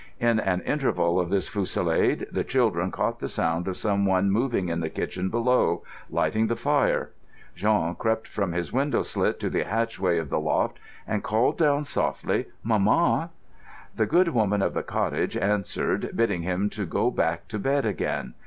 In an interval of this fusillade the children caught the sound of someone moving in the kitchen below, lighting the fire. Jean crept from his window slit to the hatchway of the loft and called down softly, "Maman!" The good woman of the cottage answered, bidding him go back to bed again.